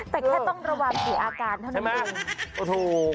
แต่แค่ต้องระวังติอาการเถินดี